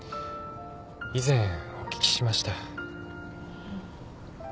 以前お聞きしました。